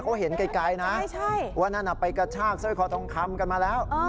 เขาเห็นไกลนะว่านั่นไปกระชากสร้อยคอทองคำกันมาแล้ว